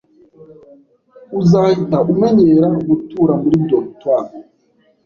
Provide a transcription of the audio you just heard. Uzahita umenyera gutura muri dortoir